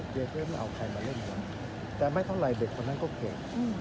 เดี๋ยวจะได้ไม่เอาใครมาเล่นผมแต่ไม่เท่าไหร่เด็กคนนั้นก็เก่ง